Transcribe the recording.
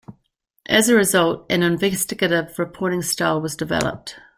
As a result, an investigative reporting style was developed.